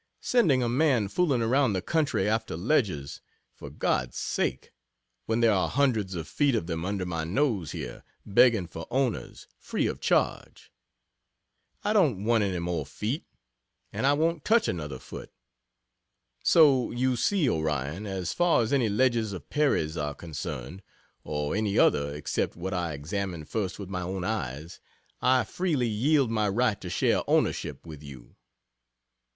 Sending a man fooling around the country after ledges, for God's sake! when there are hundreds of feet of them under my nose here, begging for owners, free of charge. I don't want any more feet, and I won't touch another foot so you see, Orion, as far as any ledges of Perry's are concerned, (or any other except what I examine first with my own eyes,) I freely yield my right to share ownership with you.